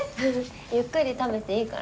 ゆっくり食べていいからね。